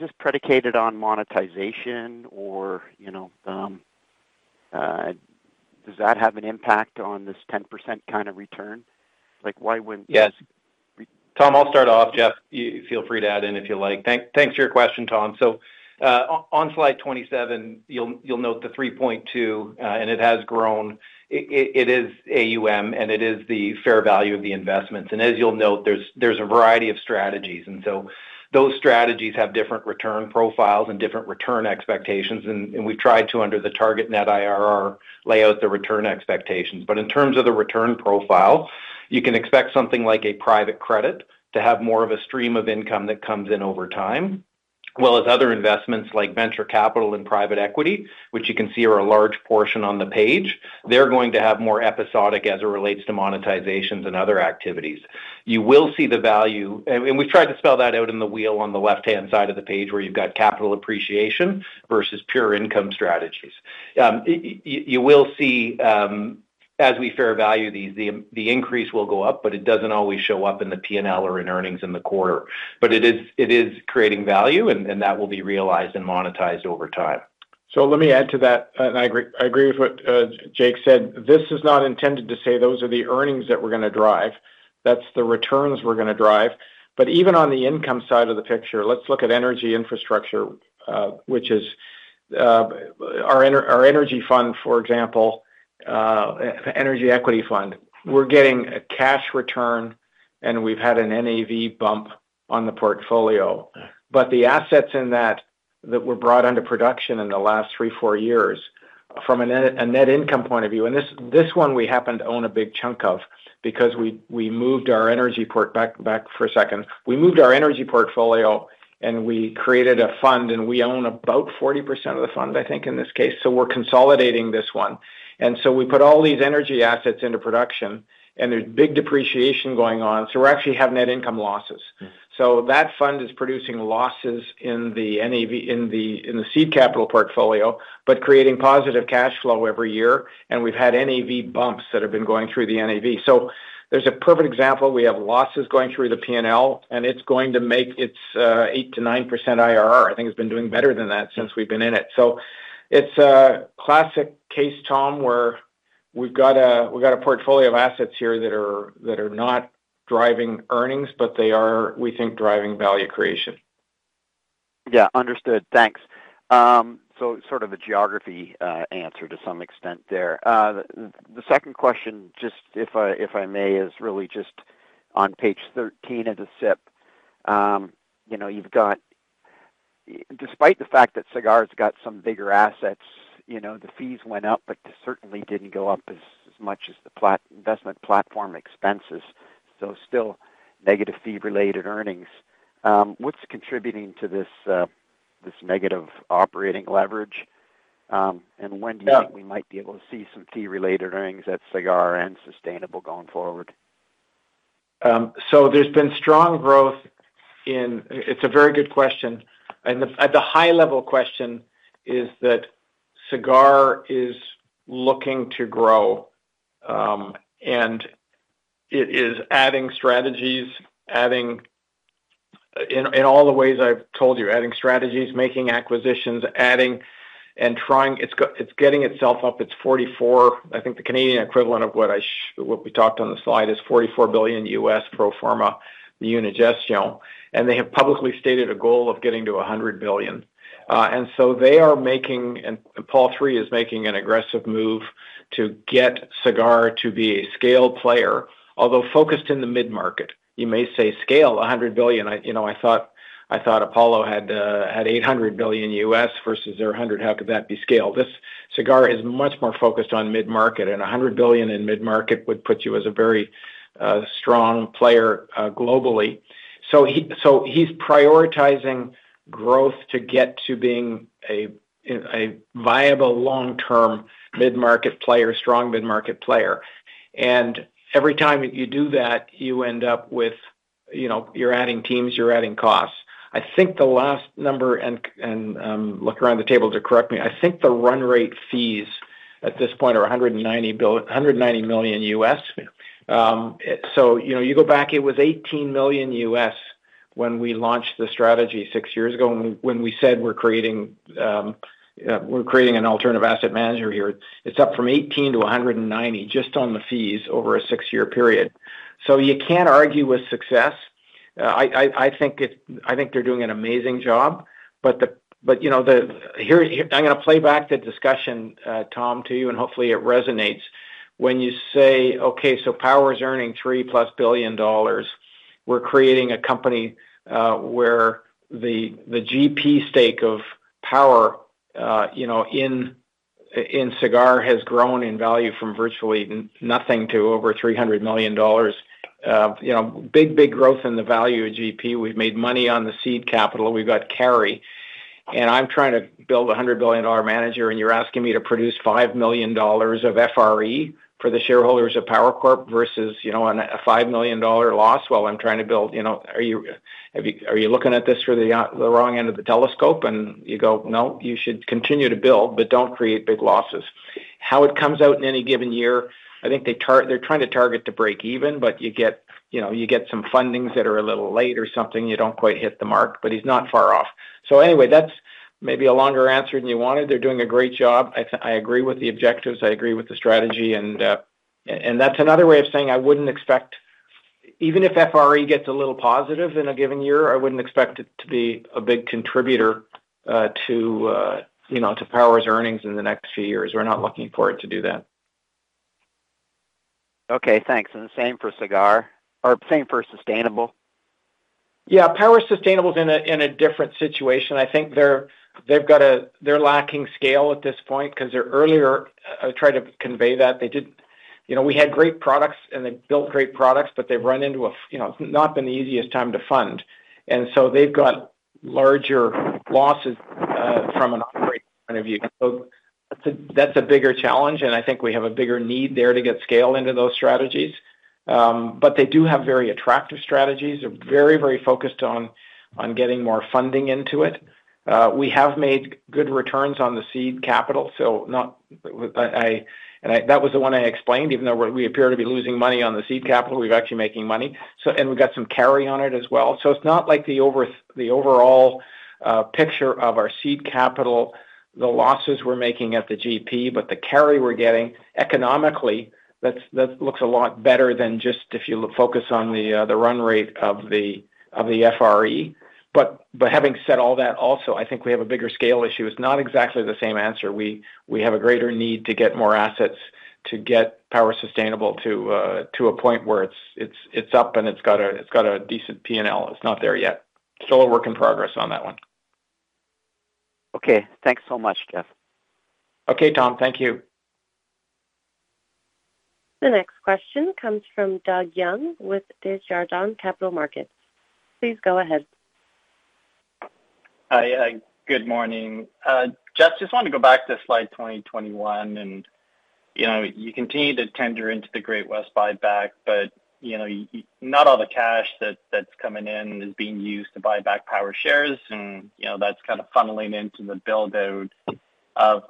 this predicated on monetization or, you know, does that have an impact on this 10% kind of return? Like, why wouldn't- Yes. Tom, I'll start off. Jeff, you feel free to add in if you like. Thanks for your question, Tom. On slide 27 you'll note the 3.2 billion, and it has grown. It is AUM and it is the fair value of the investments. As you'll note, there's a variety of strategies. Those strategies have different return profiles and different return expectations. We've tried to, under the target net IRR, lay out the return expectations. In terms of the return profile, you can expect something like a private credit to have more of a stream of income that comes in over time, as well as other investments like venture capital and private equity, which you can see are a large portion on the page. They're going to have more episodic as it relates to monetizations and other activities. You will see the value. We've tried to spell that out in the wheel on the left-hand side of the page where you've got capital appreciation versus pure income strategies. You will see, as we fair value these, the increase will go up, but it doesn't always show up in the P&L or in earnings in the quarter. It is creating value and that will be realized and monetized over time. Let me add to that, and I agree with what Jake said. This is not intended to say those are the earnings that we're going to drive. That's the returns we're going to drive. Even on the income side of the picture, let's look at energy infrastructure, which is our energy fund, for example, Energy Equity Fund. We're getting a cash return, and we've had an NAV bump on the portfolio. The assets in that that were brought under production in the last three, four years from a net income point of view, and this one we happen to own a big chunk of because we moved our energy portfolio and we created a fund, and we own about 40% of the fund, I think, in this case. We're consolidating this one. We put all these energy assets into production, and there's big depreciation going on. We actually have net income losses. That fund is producing losses in the NAV in the seed capital portfolio, but creating positive cash flow every year. We've had NAV bumps that have been going through the NAV. There's a perfect example. We have losses going through the P&L, and it's going to make its 8%-9% IRR. I think it's been doing better than that since we've been in it. It's a classic case, Tom, where we've got a portfolio of assets here that are not driving earnings, but they are, we think, driving value creation. Yeah, understood. Thanks. Sort of a geography answer to some extent there. The second question, just if I may, is really just on page 13 of the SIP. You know, despite the fact that Sagard's got some bigger assets, you know, the fees went up, but they certainly didn't go up as much as the investment platform expenses. Still negative fee-related earnings. What's contributing to this negative operating leverage? When do you think we might be able to see some fee-related earnings at Sagard and Power Sustainable going forward? It's a very good question. At the high level, the question is that Sagard is looking to grow, and it is adding strategies. In all the ways I've told you, adding strategies, making acquisitions, adding and trying. It's getting itself up. It's $44 billion. I think the Canadian equivalent of what we talked on the slide is $44 billion pro forma, and they have publicly stated a goal of getting to $100 billion. They are making, and Paul III is making an aggressive move to get Sagard to be a scale player, although focused in the mid-market. You may say scale $100 billion. You know, I thought Apollo had $800 billion versus their $100 billion. How could that be scale? Sagard is much more focused on mid-market, and $100 billion in mid-market would put you as a very strong player globally. He's prioritizing growth to get to being a viable long-term mid-market player, strong mid-market player. Every time you do that, you end up with, you know, you're adding teams, you're adding costs. I think the last number, and look around the table to correct me. I think the run rate fees at this point are $190 million. You go back, it was $18 million when we launched the strategy six years ago, and we're creating an alternative asset manager here. It's up from 18-190 just on the fees over a six-year period. You can't argue with success. I think they're doing an amazing job. I'm gonna play back the discussion, Tom, to you, and hopefully it resonates. When you say, okay, so Power is earning 3+ billion dollars. We're creating a company where the GP stake of Power in Sagard has grown in value from virtually nothing to over 300 million dollars. Big growth in the value of GP. We've made money on the seed capital. We've got carry. I'm trying to build a 100 billion dollar manager, and you're asking me to produce 5 million dollars of FRE for the shareholders of PowerCorp versus, you know, on a 5 million dollar loss while I'm trying to build, you know. Are you looking at this through the wrong end of the telescope? You go, "No, you should continue to build, but don't create big losses." How it comes out in any given year, I think they're trying to target to break even, but you get, you know, you get some fundings that are a little late or something, you don't quite hit the mark, but he's not far off. Anyway, that's maybe a longer answer than you wanted. They're doing a great job. I agree with the objectives, I agree with the strategy, and that's another way of saying I wouldn't expect. Even if FRE gets a little positive in a given year, I wouldn't expect it to be a big contributor to you know, to Power's earnings in the next few years. We're not looking for it to do that. Okay, thanks. The same for Sagard, or same for Power Sustainable. Yeah. Power Sustainable's in a different situation. I think they're lacking scale at this point 'cause they're earlier. I tried to convey that. You know, we had great products and they built great products, but they've run into, you know, not been the easiest time to fund. They've got larger losses from an operating point of view. That's a bigger challenge, and I think we have a bigger need there to get scale into those strategies. They do have very attractive strategies. They're very, very focused on getting more funding into it. We have made good returns on the seed capital, so not. That was the one I explained. Even though we appear to be losing money on the seed capital, we're actually making money. We've got some carry on it as well. It's not like the overall picture of our seed capital, the losses we're making at the GP, but the carry we're getting economically, that looks a lot better than just if you focus on the run rate of the FRE. Having said all that, also, I think we have a bigger scale issue. It's not exactly the same answer. We have a greater need to get more assets to get Power Sustainable to a point where it's up and it's got a decent P&L. It's not there yet. Still a work in progress on that one. Okay. Thanks so much, Jeff. Okay, Tom. Thank you. The next question comes from Doug Young with Desjardins Capital Markets. Please go ahead. Hi. Good morning. Jeff, just wanted to go back to slide 21. You know, you continue to tender into the Great-West Lifeco buyback. But you know, not all the cash that's coming in is being used to buy back Power shares. You know, that's kind of funneling into the build out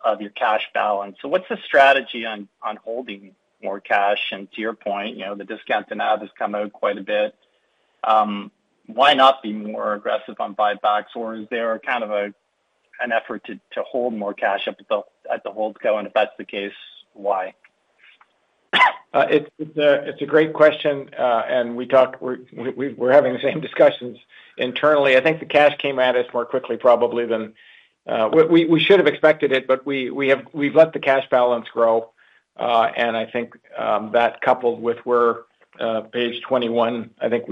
of your cash balance. What's the strategy on holding more cash? To your point, you know, the discount to NAV has come out quite a bit. Why not be more aggressive on buybacks? Or is there kind of an effort to hold more cash up at the holdco? If that's the case, why? It's a great question. We're having the same discussions internally. I think the cash came at us more quickly probably than we should have expected it, but we've let the cash balance grow. I think that coupled with where page 21, I think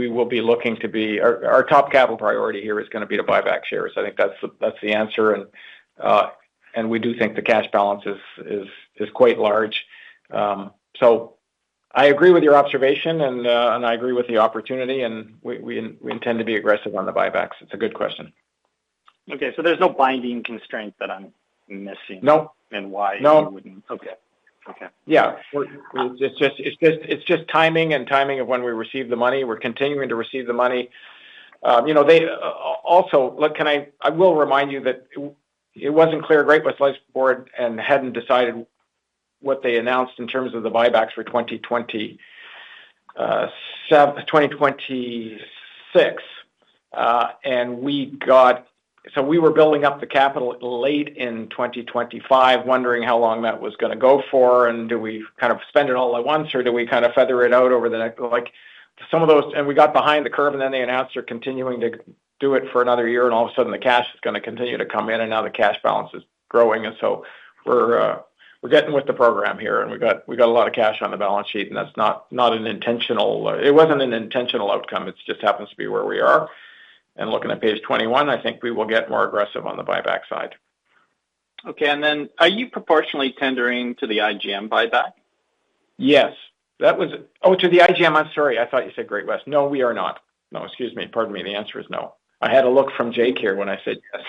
our top capital priority here is gonna be to buy back shares. I think that's the answer. We do think the cash balance is quite large. So I agree with your observation, and I agree with the opportunity, and we intend to be aggressive on the buybacks. It's a good question. Okay. There's no binding constraint that I'm missing? No. why you wouldn't. No. Okay. Okay. Yeah. It's just timing of when we receive the money. We're continuing to receive the money. You know, also, I will remind you that it wasn't clear Great-West Lifeco's board hadn't decided what they announced in terms of the buybacks for 2026. We were building up the capital late in 2025, wondering how long that was gonna go for, and do we kind of spend it all at once, or do we kind of feather it out over the next. Like some of those, we got behind the curve, and then they announced they're continuing to do it for another year, and all of a sudden the cash is gonna continue to come in, and now the cash balance is growing. We're getting with the program here, and we got a lot of cash on the balance sheet, and that's not an intentional outcome. It just happens to be where we are. Looking at page 21, I think we will get more aggressive on the buyback side. Okay. Are you proportionally tendering to the IGM buyback? Yes. Oh, to the IGM. I'm sorry. I thought you said Great-West Lifeco. No, we are not. Excuse me. Pardon me. The answer is no. I had a look from Jake here when I said yes.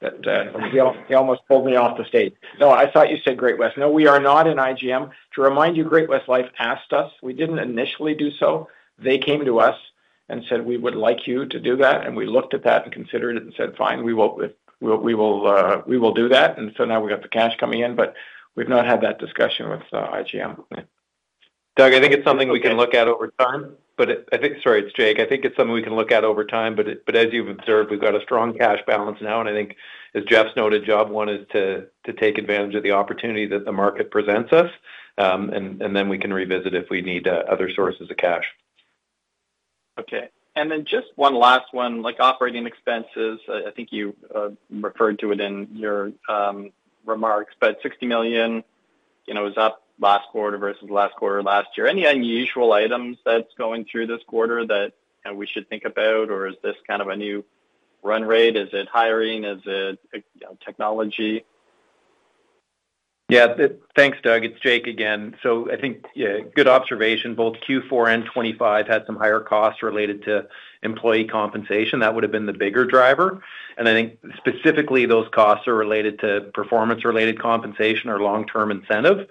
That, he almost pulled me off the stage. No, I thought you said Great-West Lifeco. No, we are not in IGM. To remind you, Great-West Lifeco asked us. We didn't initially do so. They came to us and said, "We would like you to do that." We looked at that and considered it and said, "Fine, we will do that." Now we got the cash coming in, but we've not had that discussion with IGM. Doug, sorry, it's Jake. I think it's something we can look at over time, but as you've observed, we've got a strong cash balance now. I think as Jeff's noted, job one is to take advantage of the opportunity that the market presents us, and then we can revisit if we need other sources of cash. Just one last one. Like operating expenses, I think you referred to it in your remarks. 60 million, you know, was up last quarter versus last quarter last year. Any unusual items that's going through this quarter that, kind of, we should think about, or is this kind of a new run rate? Is it hiring? Is it technology? Yeah. Thanks, Doug. It's Jake again. I think, yeah, good observation. Both Q4 and 25 had some higher costs related to employee compensation. That would have been the bigger driver. I think specifically those costs are related to performance-related compensation or long-term incentive.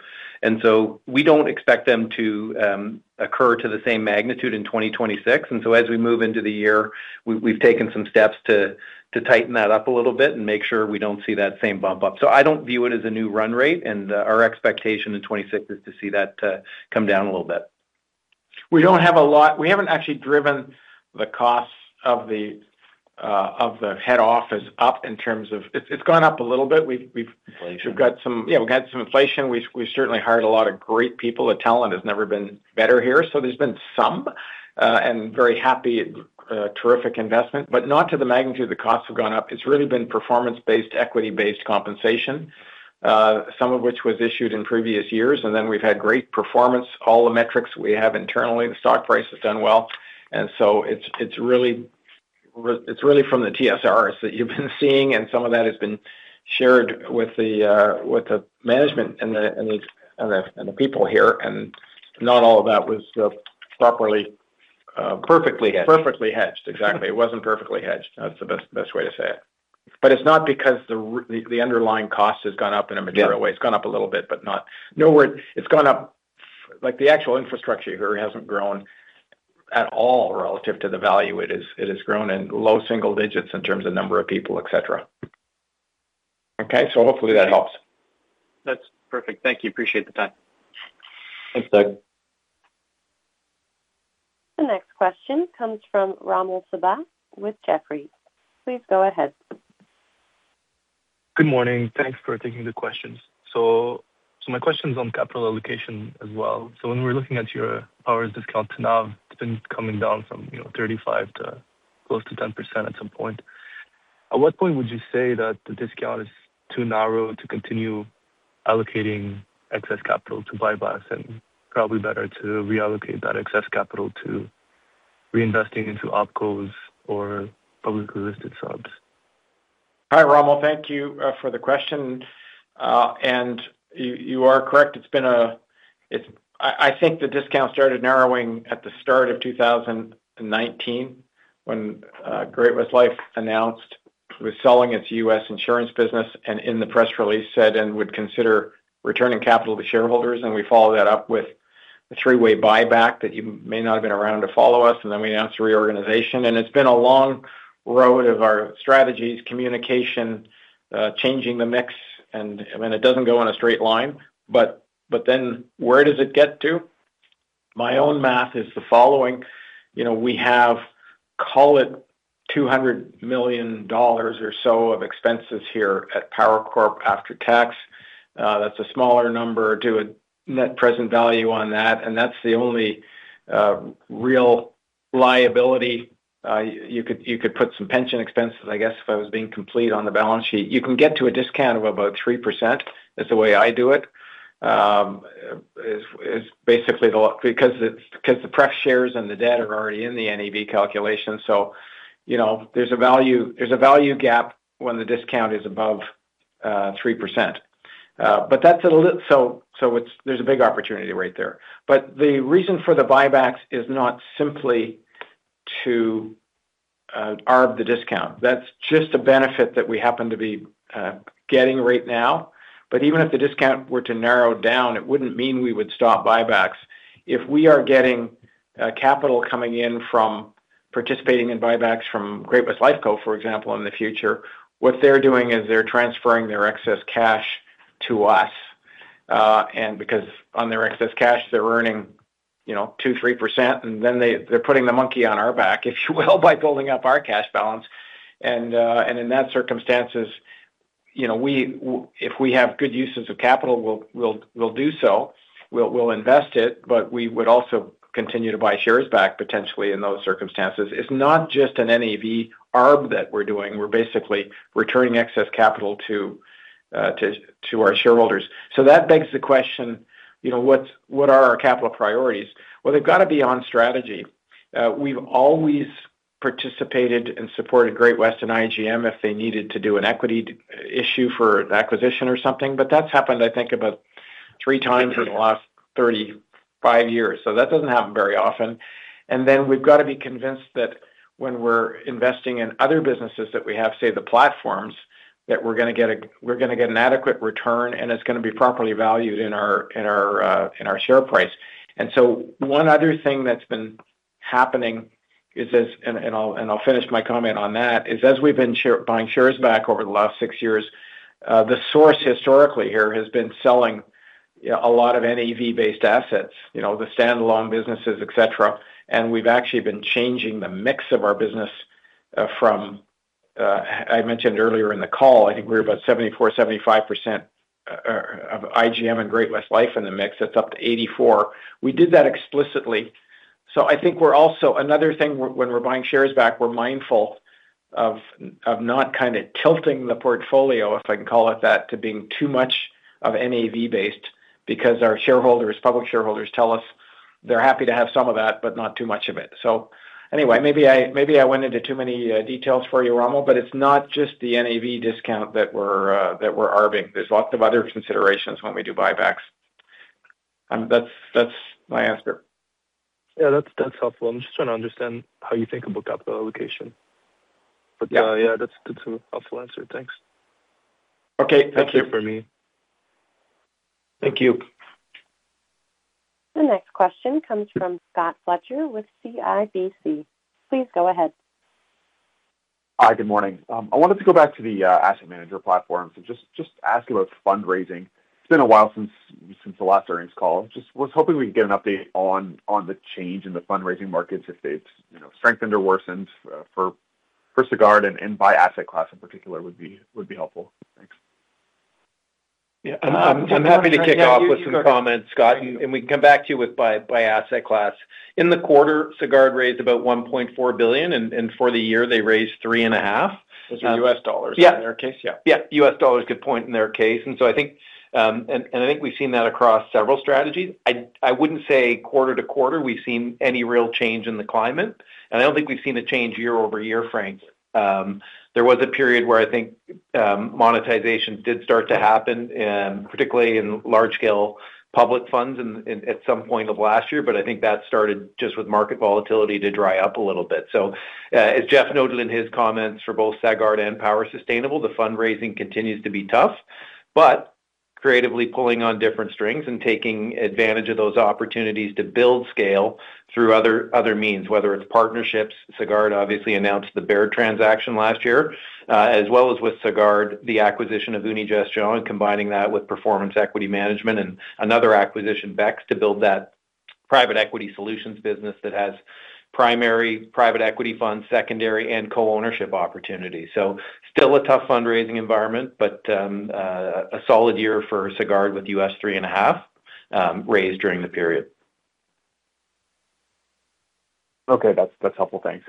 We don't expect them to occur to the same magnitude in 2026. As we move into the year, we've taken some steps to tighten that up a little bit and make sure we don't see that same bump up. I don't view it as a new run rate, and our expectation in 2026 is to see that come down a little bit. We haven't actually driven the costs of the head office up in terms of. It's gone up a little bit. We've Inflation. We've got some, yeah, we've had some inflation. We've certainly hired a lot of great people. The talent has never been better here. There's been some, and very happy, terrific investment, but not to the magnitude the costs have gone up. It's really been performance-based, equity-based compensation, some of which was issued in previous years. We've had great performance. All the metrics we have internally, the stock price has done well. It's really from the TSRs that you've been seeing, and some of that has been shared with the management and the people here. Not all of that was properly. Perfectly hedged. Perfectly hedged. Exactly. It wasn't perfectly hedged. That's the best way to say it. It's not because the underlying cost has gone up in a material way. Yeah. It's gone up a little bit, but not. Like, the actual infrastructure here hasn't grown at all relative to the value. It has grown in low single digits in terms of number of people, et cetera. Okay? Hopefully that helps. That's perfect. Thank you. Appreciate the time. Thanks, Doug. The next question comes from Rommel Latayan with Jefferies. Please go ahead. Good morning. Thanks for taking the questions. My question's on capital allocation as well. When we're looking at your shares discount to NAV, it's been coming down from, you know, 35 to close to 10% at some point. At what point would you say that the discount is too narrow to continue allocating excess capital to buybacks and probably better to reallocate that excess capital to reinvesting into Opcos or publicly listed subs? Hi, Rommel. Thank you for the question. You are correct. It's been a. I think the discount started narrowing at the start of 2019 when Great-West Lifeco announced it was selling its U.S. insurance business and in the press release said it would consider returning capital to shareholders. We followed that up with a three-way buyback that you may not have been around to follow us, then we announced a reorganization. It's been a long road of our strategies, communication, changing the mix. I mean, it doesn't go in a straight line, but then where does it get to? My own math is the following. You know, we have, call it 200 million dollars or so of expenses here at Power Corp after tax. That's a smaller number to a net present value on that, and that's the only real liability. You could put some pension expenses, I guess, if I was being complete on the balance sheet. You can get to a discount of about 3%, is the way I do it. Because the pref shares and the debt are already in the NAV calculation. You know, there's a value gap when the discount is above 3%. There's a big opportunity right there. The reason for the buybacks is not simply to arb the discount. That's just a benefit that we happen to be getting right now. Even if the discount were to narrow down, it wouldn't mean we would stop buybacks. If we are getting capital coming in from participating in buybacks from Great-West Lifeco, for example, in the future, what they're doing is they're transferring their excess cash to us. Because on their excess cash, they're earning, you know, 2%-3%, and then they're putting the money on our books, if you will, by building up our cash balance. In that circumstances, you know, if we have good uses of capital, we'll do so. We'll invest it, but we would also continue to buy shares back potentially in those circumstances. It's not just an NAV arb that we're doing. We're basically returning excess capital to our shareholders. That begs the question, you know, what are our capital priorities? Well, they've gotta be on strategy. We've always participated and supported Great-West and IGM if they needed to do an equity issue for an acquisition or something, but that's happened, I think, about three times in the last 35 years. That doesn't happen very often. Then we've got to be convinced that when we're investing in other businesses that we have, say, the platforms, that we're gonna get an adequate return, and it's gonna be properly valued in our share price. One other thing that's been happening is as I'll finish my comment on that. As we've been buying shares back over the last six years, the source historically here has been selling, you know, a lot of NAV-based assets. You know, the standalone businesses, et cetera. We've actually been changing the mix of our business. From, I mentioned earlier in the call, I think we're about 74%, 75% of IGM and Great-West Lifeco in the mix. That's up to 84%. We did that explicitly. I think we're also another thing when we're buying shares back. We're mindful of not kinda tilting the portfolio, if I can call it that, to being too much of NAV-based because our shareholders, public shareholders tell us they're happy to have some of that, but not too much of it. Anyway, maybe I went into too many details for you, Rommel, but it's not just the NAV discount that we're arbing. There's lots of other considerations when we do buybacks. That's my answer. Yeah. That's helpful. I'm just trying to understand how you think about capital allocation. Yeah. Yeah, that's a helpful answer. Thanks. Okay. That's it for me. Thank you. The next question comes from Scott Fletcher with CIBC. Please go ahead. Hi. Good morning. I wanted to go back to the asset manager platform. Just ask about fundraising. It's been a while since the last earnings call. Just was hoping we'd get an update on the change in the fundraising markets if it's, you know, strengthened or worsened for Sagard and by asset class in particular would be helpful. Thanks. Yeah. I'm happy to kick off with some comments, Scott, and we can come back to you by asset class. In the quarter, Sagard raised about 1.4 billion, and for the year they raised 3.5 billion. Those are U.S. dollars. Yeah. In their case? Yeah. Yeah. US dollars, good point in their case. I think we've seen that across several strategies. I wouldn't say quarter-over-quarter we've seen any real change in the climate, and I don't think we've seen a change year-over-year, Frank. There was a period where I think monetization did start to happen, particularly in large-scale public funds at some point of last year, but I think that started just with market volatility to dry up a little bit. As Jeff noted in his comments for both Sagard and Power Sustainable, the fundraising continues to be tough, but creatively pulling on different strings and taking advantage of those opportunities to build scale through other means, whether it's partnerships. Sagard obviously announced the Baird transaction last year, as well as with Sagard, the acquisition of Unigestion, and combining that with Performance Equity Management and another acquisition, BEX Capital, to build that private equity solutions business that has primary private equity funds, secondary and co-ownership opportunities. Still a tough fundraising environment, but a solid year for Sagard with $3.5 raised during the period. Okay. That's helpful. Thanks.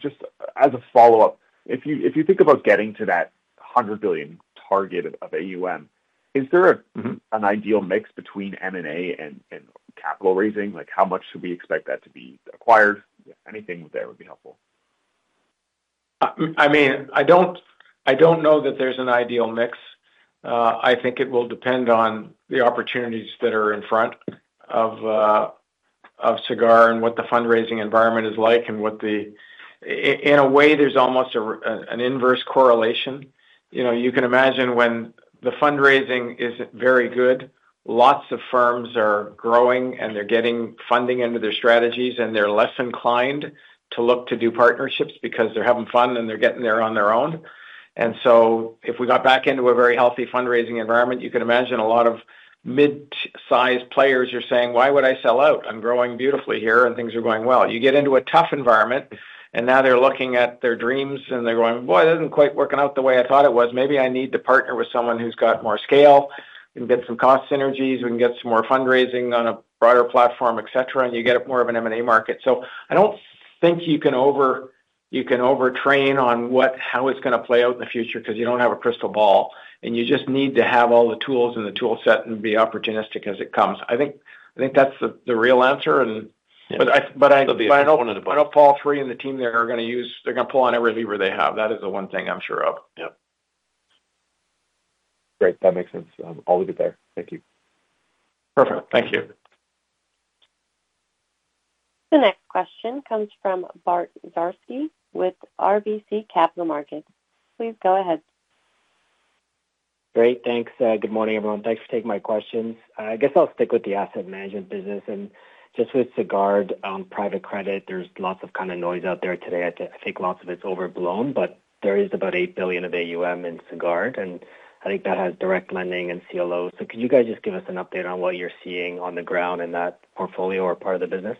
Just as a follow-up, if you think about getting to that 100 billion target of AUM, is there a- Mm-hmm An ideal mix between M&A and capital raising? Like, how much should we expect that to be acquired? Anything there would be helpful. I mean, I don't know that there's an ideal mix. I think it will depend on the opportunities that are in front of Sagard and what the fundraising environment is like. In a way, there's almost an inverse correlation. You know, you can imagine when the fundraising isn't very good, lots of firms are growing, and they're getting funding into their strategies, and they're less inclined to look to do partnerships because they're having fun, and they're getting there on their own. If we got back into a very healthy fundraising environment, you can imagine a lot of mid-sized players are saying, "Why would I sell out? I'm growing beautifully here, and things are going well." You get into a tough environment, and now they're looking at their dreams, and they're going, "Boy, this isn't quite working out the way I thought it was. Maybe I need to partner with someone who's got more scale. We can get some cost synergies. We can get some more fundraising on a broader platform," et cetera. You get more of an M&A market. I don't think you can overtrain on how it's gonna play out in the future because you don't have a crystal ball. You just need to have all the tools in the toolset and be opportunistic as it comes. I think that's the real answer and- Yeah. But I, but I- They'll be open to- I know Paul Desmarais III and the team there are gonna pull on every lever they have. That is the one thing I'm sure of. Yep. Great. That makes sense. I'll leave it there. Thank you. Perfect. Thank you. The next question comes from Bartek Ciszewski with RBC Capital Markets. Please go ahead. Great. Thanks. Good morning, everyone. Thanks for taking my questions. I guess I'll stick with the asset management business. Just with Sagard on private credit, there's lots of kinda noise out there today. I think lots of it's overblown, but there is about $8 billion of AUM in Sagard. I think that has direct lending and CLO. Could you guys just give us an update on what you're seeing on the ground in that portfolio or part of the business?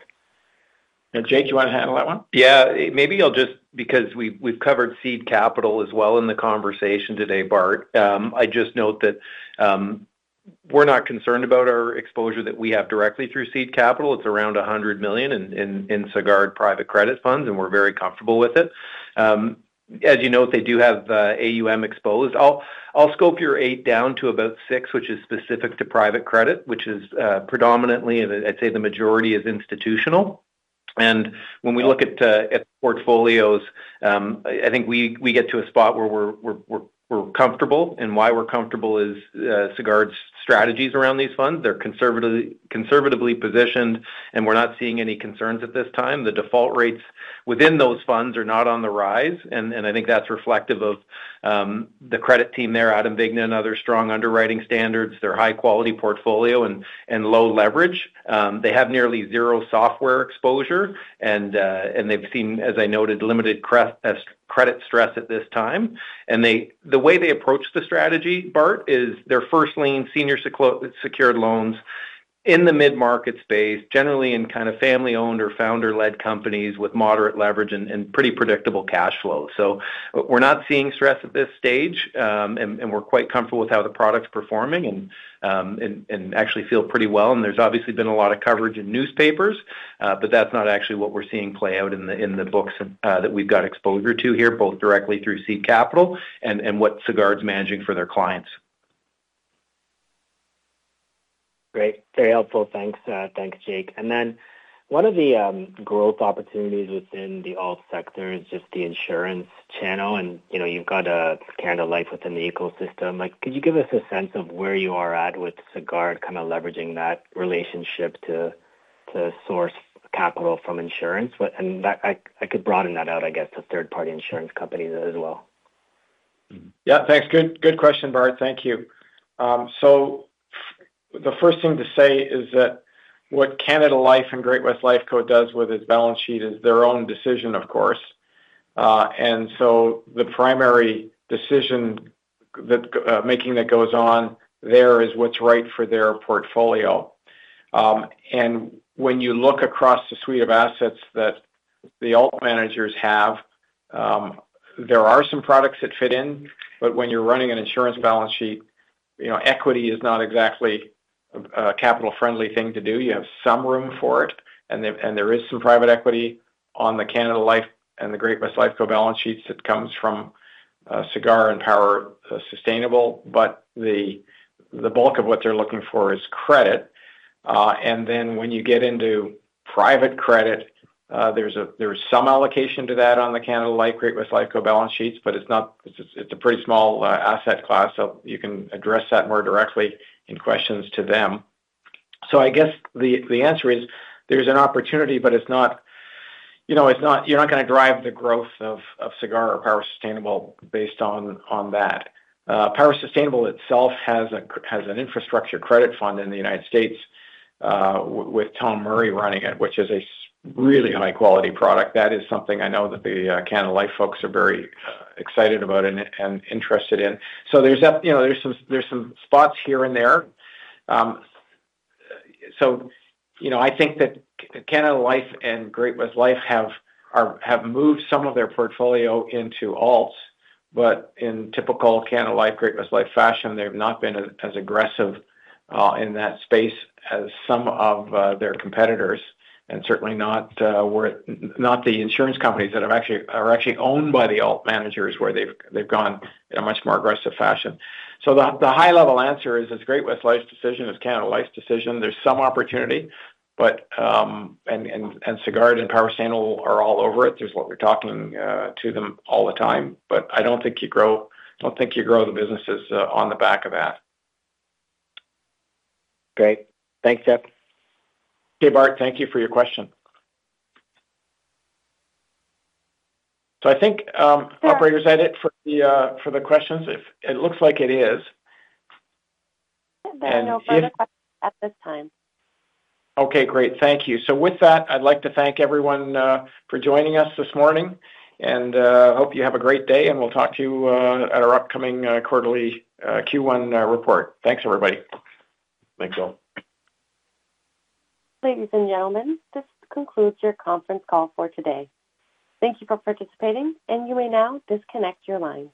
Now, Jake, do you wanna handle that one? Because we've covered seed capital as well in the conversation today, Bart. I just note that we're not concerned about our exposure that we have directly through seed capital. It's around 100 million in Sagard private credit funds, and we're very comfortable with it. As you note, they do have AUM exposed. I'll scope your 8 down to about 6, which is specific to private credit, which is predominantly, I'd say the majority is institutional. When we look at the portfolios, I think we get to a spot where we're comfortable. Why we're comfortable is Sagard's strategies around these funds. They're conservatively positioned, and we're not seeing any concerns at this time. The default rates within those funds are not on the rise. I think that's reflective of the credit team there, Adam Vigna, and other strong underwriting standards, their high-quality portfolio and low leverage. They have nearly zero software exposure. They've seen, as I noted, limited credit stress at this time. The way they approach the strategy, Bart, is their first lien senior secured loans in the mid-market space, generally in kinda family-owned or founder-led companies with moderate leverage and pretty predictable cash flow. We're not seeing stress at this stage. We're quite comfortable with how the product's performing and actually feel pretty well. There's obviously been a lot of coverage in newspapers, but that's not actually what we're seeing play out in the books that we've got exposure to here, both directly through seed capital and what Sagard's managing for their clients. Great. Very helpful. Thanks. Thanks, Jake. One of the growth opportunities within the alt sector is just the insurance channel. You know, you've got Canada Life within the ecosystem. Like, could you give us a sense of where you are at with Sagard kinda leveraging that relationship to source capital from insurance? I could broaden that out, I guess, to third-party insurance companies as well. Yeah. Thanks. Good question, Bart. Thank you. The first thing to say is that what Canada Life and Great-West Lifeco does with its balance sheet is their own decision, of course. The primary decision that goes on there is what's right for their portfolio. When you look across the suite of assets that the alt managers have, there are some products that fit in. When you're running an insurance balance sheet, you know, equity is not exactly a capital-friendly thing to do. You have some room for it. There is some private equity on the Canada Life and the Great-West Lifeco balance sheets that comes from Sagard and Power Sustainable. The bulk of what they're looking for is credit. When you get into private credit, there's some allocation to that on the Canada Life, Great-West Lifeco balance sheets, but it's a pretty small asset class, so you can address that more directly in questions to them. I guess the answer is there's an opportunity, but it's not. You know, it's not. You're not gonna drive the growth of Sagard or Power Sustainable based on that. Power Sustainable itself has an infrastructure credit fund in the United States, with Tom Murray running it, which is a really high-quality product. That is something I know that the Canada Life folks are very excited about and interested in. There's that. You know, there's some spots here and there. You know, I think that Canada Life and Great-West Life have moved some of their portfolio into alts. In typical Canada Life, Great-West Life fashion, they've not been as aggressive in that space as some of their competitors, and certainly not the insurance companies that are actually owned by the alt managers, where they've gone in a much more aggressive fashion. The high-level answer is it's Great-West Life's decision. It's Canada Life's decision. There's some opportunity, but. Sagard and Power Sustainable are all over it. That's what we're talking to them all the time. I don't think you grow the businesses on the back of that. Great. Thanks, Jeff. Okay, Bart, thank you for your question. I think, operators, that's it for the questions. It looks like it is. There are no further questions at this time. Okay, great. Thank you. With that, I'd like to thank everyone for joining us this morning. Hope you have a great day, and we'll talk to you at our upcoming quarterly Q1 report. Thanks, everybody. Thanks, all. Ladies and gentlemen, this concludes your conference call for today. Thank you for participating, and you may now disconnect your lines.